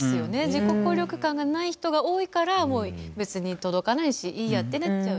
自己効力感がない人が多いからもう別に届かないしいいやってなっちゃう。